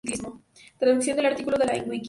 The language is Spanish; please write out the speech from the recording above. Traducción del artículo de la en:Wiki